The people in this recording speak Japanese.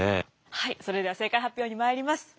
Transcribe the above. はいそれでは正解発表にまいります。